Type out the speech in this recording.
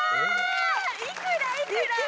いくらいくら？